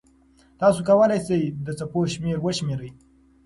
تاسو کولای سئ د څپو شمېر وشمېرئ.